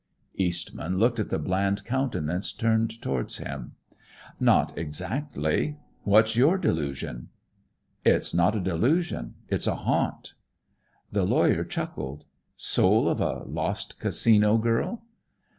Eastman looked at the bland countenance turned toward him. "Not exactly. What's your delusion?" "It's not a delusion. It's a haunt." The lawyer chuckled. "Soul of a lost Casino girl?"